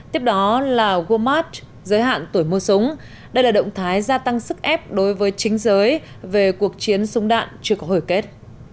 tiếp đó là wamat giới hạn tuổi mua súng đây là động thái gia tăng sức ép đối với chính giới về cuộc chiến súng đạn chưa có hồi kết